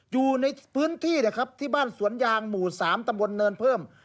อยู่ในพื้นที่นะครับที่บ้านสวนยางหมู่๓ตำบลเนินเพิ่ม